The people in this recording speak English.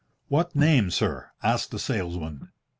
"What name, sir?" asked the salesman.